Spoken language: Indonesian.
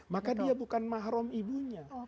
maka dia bukan mahrum ibunya